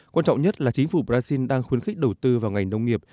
quan trọng nhất là chính phủ brazil đang khuyến khích đầu tư vào ngành nông nghiệp